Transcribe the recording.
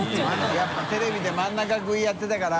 やっぱテレビで真ん中食いやってたから。